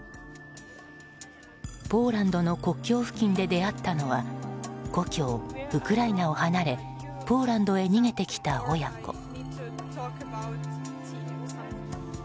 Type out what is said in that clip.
ポーランドの国境付近で出会ったのは故郷ウクライナを離れポーランドへ逃げてきた親子。